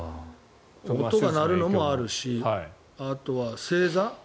音が鳴るのもあるしあとは正座。